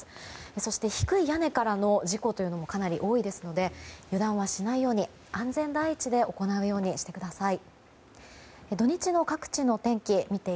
そして低い屋根からの事故もかなり多いですので油断はしないように安全第一で行うようにしてください。